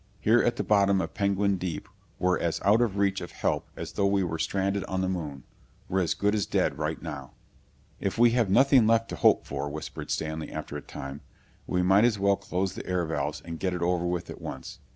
Here at the bottom of Penguin Deep we're as out of reach of help as though we were stranded on the moon. We're as good as dead right now." "If we have nothing left to hope for," whispered Stanley after a time, "we might as well close the air valves and get it over with at once.